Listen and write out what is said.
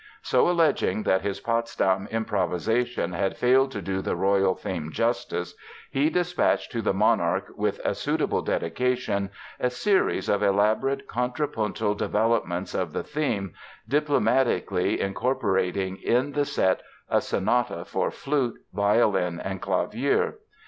So, alleging that his Potsdam improvisation had failed to do the royal theme justice, he dispatched to the monarch with a suitable dedication a series of elaborate contrapuntal developments of the theme, diplomatically incorporating in the set a sonata for flute, violin and clavier.